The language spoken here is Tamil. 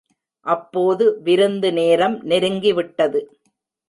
அப்போது விருந்துநேரம் நெருங்கி விட்டது.